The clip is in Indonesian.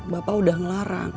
bapak udah ngelarang